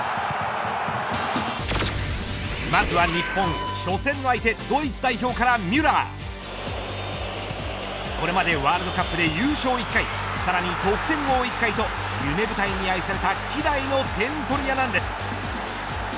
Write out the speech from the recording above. まずは日本初戦の相手ドイツ代表からミュラーこれまでワールドカップで優勝１回さらに得点王１回と夢舞台に愛された希代の点取り屋なんです。